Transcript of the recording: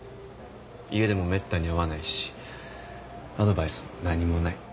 家でもめったに会わないしアドバイスも何もない。